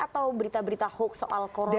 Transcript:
atau berita berita hoax soal corona